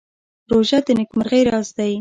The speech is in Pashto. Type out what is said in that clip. روژه د نېکمرغۍ راز دی.